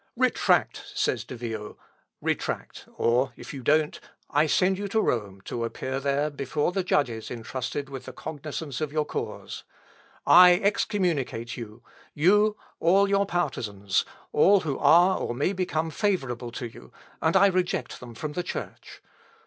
"Retract!" says De Vio; "retract, or, if you don't, I send you to Rome, to appear there before the judges entrusted with the cognisance of your cause. I excommunicate you; you, all your partizans, all who are or may become favourable to you, and I reject them from the Church.